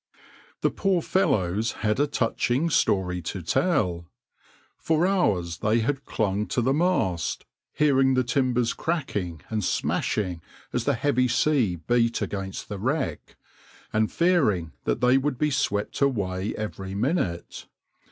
\par The poor fellows had a touching story to tell. For hours they had clung to the mast, hearing the timbers cracking and smashing as the heavy sea beat against the wreck, and fearing that they would be swept away every minute.